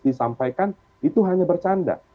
disampaikan itu hanya bercanda